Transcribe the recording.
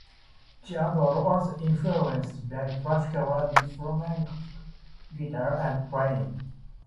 Jones was also influenced by classical and flamenco guitar playing.